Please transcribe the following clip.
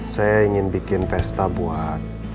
saya ingin bikin pesta buat